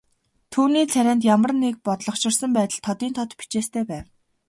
Түүний царайд ямар нэг бодлогоширсон байдал тодын тод бичээстэй байв.